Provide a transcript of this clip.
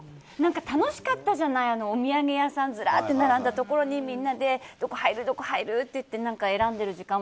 楽しかったじゃないお土産屋さんずらっと並んだところにみんなでどこ入る？って言って選んでる時間。